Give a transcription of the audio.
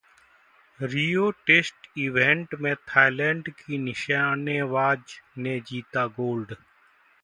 रियो test event में Thailand की निशानेबाज ने जीता गोल्ड